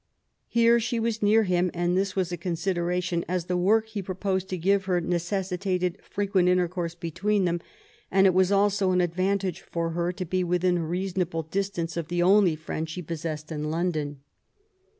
Here she was near him ; and this was a consideration, as the work he proposed to give her necessitated frequent intercourse between them, and it was also an advantage for her to be within reasonable distance of the only friend she possessed in London.